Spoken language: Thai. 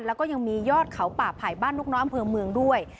แล้วก็ยังมียอดเขาป่าไผ่บ้านนกน้อยอำเภอเมืองด้วย